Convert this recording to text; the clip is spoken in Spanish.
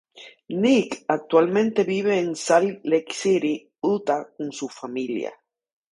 Nick actualmente vive en Salt Lake City, Utah con su familia.